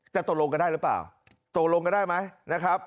ตกลงกันได้หรือเปล่าตกลงกันได้ไหมนะครับ